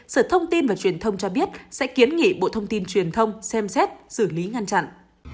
sở thông tin và truyền thông cho biết sẽ kiến nghị bộ thông tin truyền thông xem xét xử lý ngăn chặn